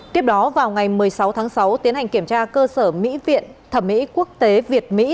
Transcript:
tiếp đó vào ngày một mươi sáu tháng sáu tiến hành kiểm tra cơ sở mỹ viện thẩm mỹ quốc tế việt mỹ